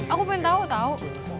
aku pengen tau tau